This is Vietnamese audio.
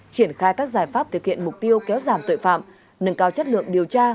triển khai các giải pháp thực hiện mục tiêu kéo giảm tội phạm nâng cao chất lượng điều tra